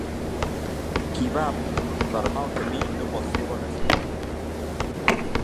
Qui va per mal camí no pot fer bona fi.